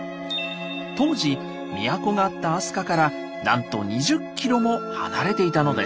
当時都があった飛鳥からなんと２０ｋｍも離れていたのです。